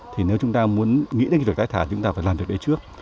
thì nếu chúng ta muốn nghĩ đến cái việc tái thả chúng ta phải làm việc đấy trước